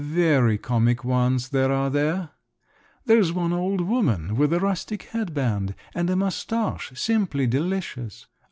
Very comic ones there are there. There's one old woman with a rustic headband and a moustache, simply delicious!